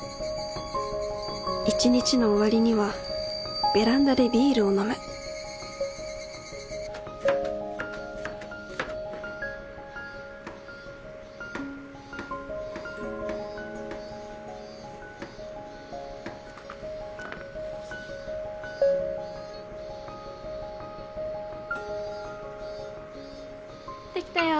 一日の終わりにはベランダでビールを飲むできたよ。